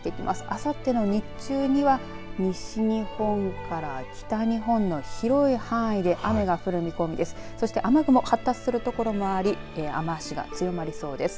あさっての日中には西日本から北日本の広い範囲で雨が降る見込みです。